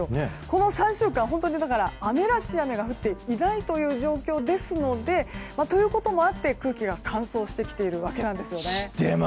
この３週間雨らしい雨が降っていないという状況ですので空気が乾燥してきているわけなんです。